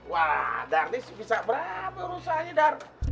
wah dar ini bisa berapa rusaknya dar